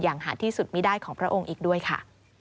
อย่างหาดที่สุดมิด้ายของพระองค์อีกด้วยค่ะ